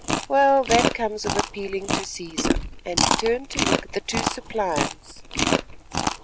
Well, that comes of appealing to Cæsar," and he turned to look at the two suppliants.